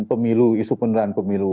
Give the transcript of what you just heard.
pemilu isu penundaan pemilu